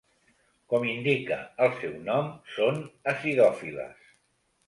Com indica el seu nom són acidòfiles.